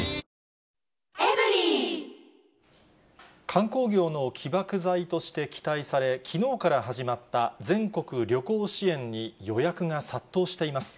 観光業の起爆剤として期待され、きのうから始まった全国旅行支援に予約が殺到しています。